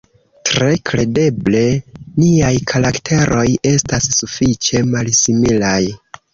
Tre kredeble niaj karakteroj estas sufiĉe malsimilaj.